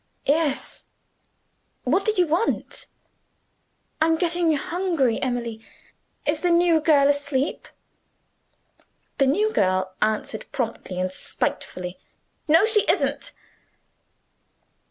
"Yes." "What do you want?" "I'm getting hungry, Emily. Is the new girl asleep?" The new girl answered promptly and spitefully, "No, she isn't."